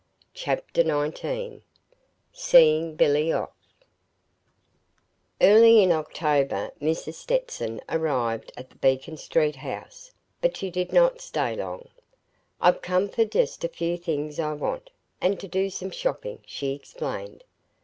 CHAPTER XIX SEEING BILLY OFF Early in October Mrs. Stetson arrived at the Beacon Street house, but she did not stay long. "I've come for just a few things I want, and to do some shopping," she explained.